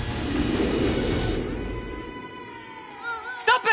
ストップ！